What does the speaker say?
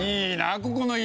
ここの家。